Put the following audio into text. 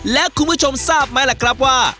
และคุณผู้ชมทราบมั้ยล่ะครับว่า